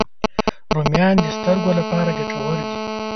رومیان د سترګو لپاره ګټور دي